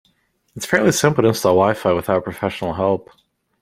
It's fairly simple to install wi-fi without professional help.